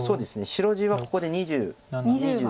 白地はここで２０以上。